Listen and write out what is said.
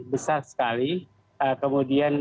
besar sekali kemudian